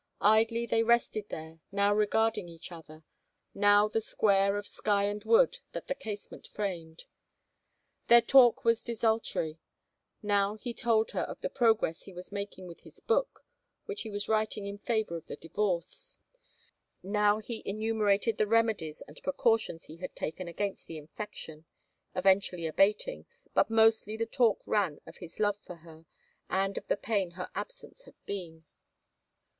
Idly they rested there, now regarding each other, now the square of sky and wood that the casement framed. Their talk was desultory. Now he told her of the progress he was making with his book, which he was writing in favor of the divorce, now he enumerated the remedies and precautions he had taken against the infection — eventually abating, — but mostly the talk ran of his love for her and of the pain her absence had been.